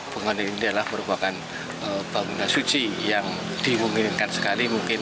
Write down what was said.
bangunan ini adalah merupakan bangunan suci yang dimungkinkan sekali mungkin